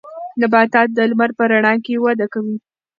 نباتات د لمر په رڼا کې وده کوي.